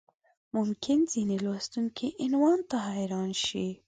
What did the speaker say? ممکن ځینې لوستونکي عنوان ته حیران شي.